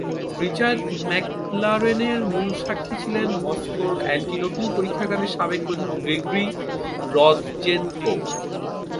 Richard ম্যাকলারেনের মূল সাক্ষী ছিলেন মস্কোর অ্যান্টিডোপিং পরীক্ষাগারের সাবেক প্রধান গ্রিগরি রদচেনকোভ।